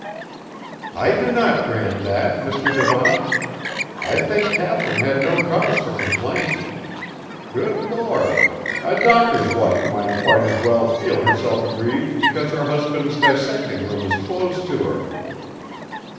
"I do not grant that, Mr. Devant. I think Katharine had no cause for complaint. Good Lord! a doctor's wife might quite as well feel herself aggrieved because her husband's dissecting room is closed to her."